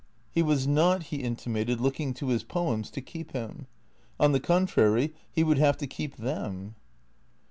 He was not, he inti mated, looking to his poems to keep him. On the contrary, he would have to keep them.